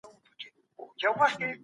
ظالمان به سزا ويني.